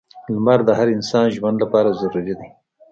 • لمر د هر انسان ژوند لپاره ضروری دی.